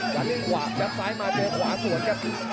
การเล่นหวากครับซ้ายมาเจอขวาส่วนครับ